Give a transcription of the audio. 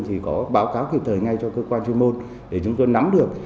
thì có báo cáo kịp thời ngay cho cơ quan chuyên môn để chúng tôi nắm được